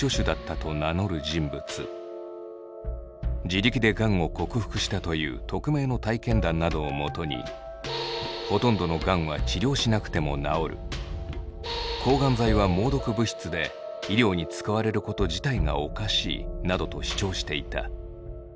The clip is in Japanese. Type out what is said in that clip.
自力でがんを克服したという匿名の体験談などをもとに「抗がん剤は猛毒物質で医療に使われること自体がおかしい」などと主張していた。